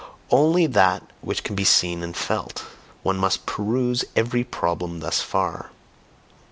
Only that which can be seen and felt one must pursue every problem thus far.